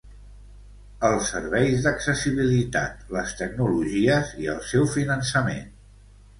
Els serveis d'accessibilitat, les tecnologies i el seu finançament.